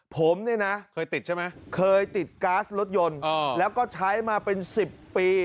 ผมเนี่ยนะเคยติดกาสรถยนต์แล้วก็ใช้มาเป็น๑๐ปี